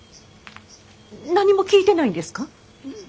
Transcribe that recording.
何も聞いてないんですか？